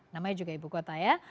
namanya juga ibu kota ya